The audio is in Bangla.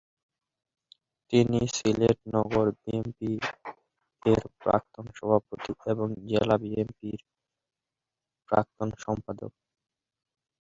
তিনি সিলেট নগর বিএনপি এর প্রাক্তন সভাপতি এবং জেলা বিএনপি এর প্রাক্তন সম্পাদক।